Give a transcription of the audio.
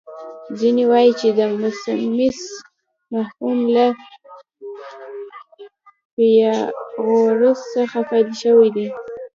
ځینې وايي چې د میمیسیس مفهوم له فیثاغورث څخه پیل شوی